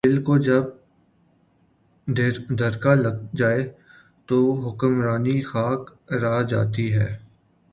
دل کو جب دھڑکا لگ جائے تو حکمرانی خاک رہ جاتی ہے۔